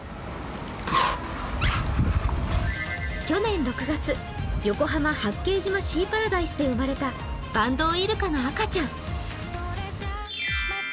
去年６月、横浜・八景島シーパラダイスで生まれたバンドウイルカの赤ちゃん。